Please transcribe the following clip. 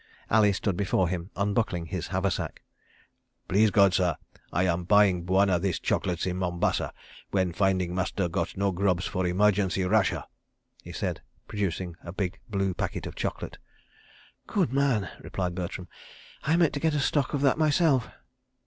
... Ali stood before him unbuckling his haversack. "Please God, sah, I am buying Bwana this chocolates in Mombasa when finding master got no grubs for emergency rasher," said he, producing a big blue packet of chocolate. "Good man!" replied Bertram. "I meant to get a stock of that myself.